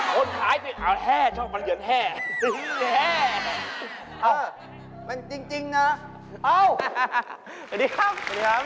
เขาก็บอกอยู่แล้วว่า